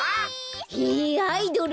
へえアイドル？